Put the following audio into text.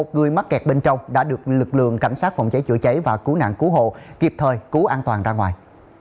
một người mắc kẹt bên trong đã được lực lượng cảnh sát phòng cháy chữa cháy và cứu nạn cứu hộ kịp thời cứu an toàn ra ngoài